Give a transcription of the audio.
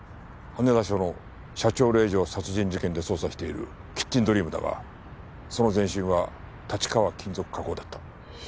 羽田署の社長令嬢殺人事件で捜査しているキッチンドリームだがその前身は立川金属加工だった。